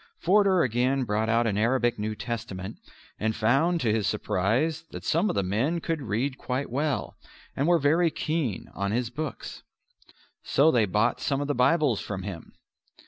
Forder again brought out an Arabic New Testament and found to his surprise that some of the men could read quite well and were very keen on his books. So they bought some of the Bibles from him.